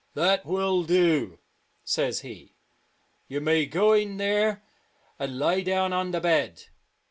" That will do," says he ;" ye may go in there and lie down on the bed."